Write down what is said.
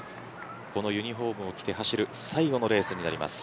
このユニホームを着て走る最後のレースです。